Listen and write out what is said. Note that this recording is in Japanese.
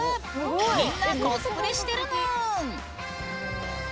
みんなコスプレしてるぬ。